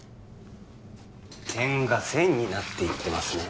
点が線になっていってますね